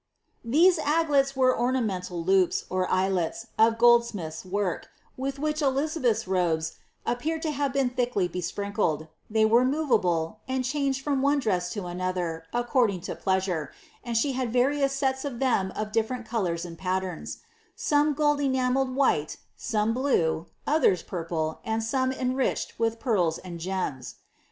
*'' These aglets were ornamental loops, or eyelets, of goldsmiths^ work, with which Elizabeth's robes appear to have been thickly besprinkled ; ihey were movable, and changed from one dress to another, according to pleasure, and she had various sets of them of different colours and patterns; some gold enamelled white, some blue, others purple, and K>aie enriched with pearls and gems.